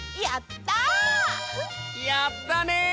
やったね！